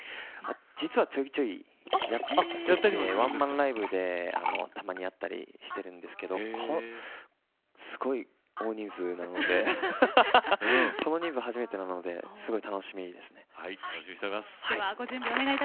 実はちょいちょいあるんですけれどライブでたまにやったりしているんですけれどすごい豪華な人数なのでこの人数は初めてです楽しみです。